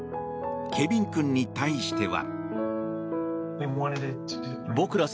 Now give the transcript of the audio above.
ケビン君に対しては。